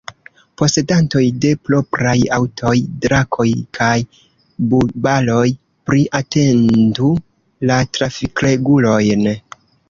Posedantoj de propraj aŭtoj – Drakoj kaj Bubaloj – pli atentu la trafikregulojn.